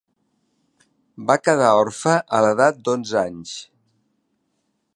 Va quedar orfe a l'edat d'onze anys.